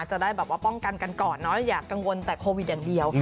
จะได้ป้องกันกันก่อนอย่ากังวลแต่โควิดอย่างเดียว